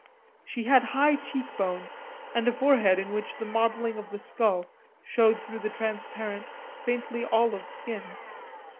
She had high cheek bones and a forehead in which the modelling of the skull showed through the transparent, faintly olive skin.